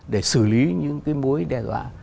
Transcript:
để xử lý những cái mối đe dọa